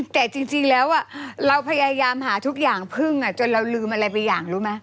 แต่จริงแล้วเราพยายามหาทุกอย่างพึ่งจนเราลืมอะไรไปอย่างรู้ไหม